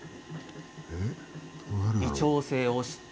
微調整をして。